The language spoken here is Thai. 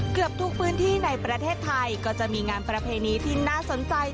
เกือบทุกพื้นที่ในประเทศไทยก็จะมีงานประเพณีที่น่าสนใจ